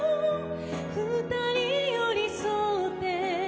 「２人寄り添って」